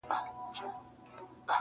موږ شهپر دی غلیمانو ته سپارلی-